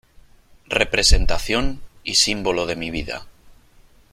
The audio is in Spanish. representación y símbolo de mi vida .